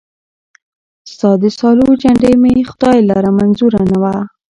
ستا د سالو جنډۍ مي خدای لره منظوره نه وه